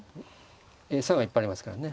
餌がいっぱいありますからね。